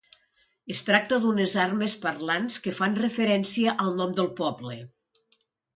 Es tracta d'unes armes parlants que fan referència al nom del poble.